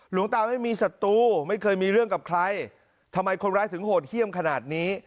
หลวงตาไม่มีศัตรูไม่เคยมีเรื่องกับใครทำไมคนร้ายถึงโหดเยี่ยมขนาดนี้